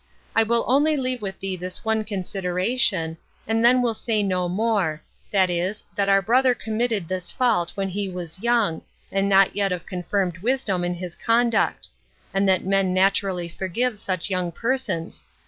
I will only leave with thee this one consideration, and then will say no more, viz. that our brother committed this fault when he was young, and not yet of confirmed wisdom in his conduct; and that men naturally forgive such young persons.